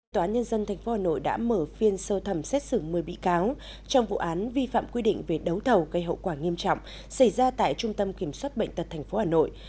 tòa án nhân dân tp hà nội đã mở phiên sơ thẩm xét xử một mươi bị cáo trong vụ án vi phạm quy định về đấu thầu gây hậu quả nghiêm trọng xảy ra tại trung tâm kiểm soát bệnh tật tp hà nội